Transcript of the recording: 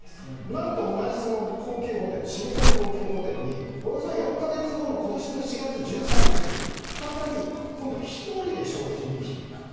何と、同じ老舗の高級ホテルにおよそ４か月後の今年４月１３日再び今度は１人で食事に来ていたと。